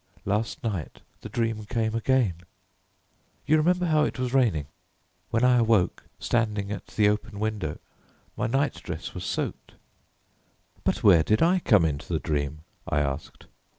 Last night the dream came again. You remember how it was raining; when I awoke, standing at the open window, my night dress was soaked." "But where did I come into the dream?" I asked.